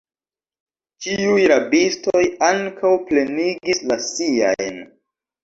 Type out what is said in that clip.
Ĉiuj rabistoj ankaŭ plenigis la siajn.